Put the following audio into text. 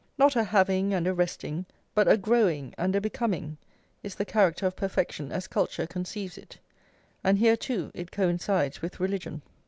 Not a having and a resting, but a growing and a becoming, is the character of perfection as culture conceives it; and here, too, it coincides with religion.